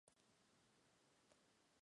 Las doncellas deben ser vírgenes.